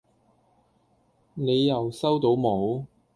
你又收到冇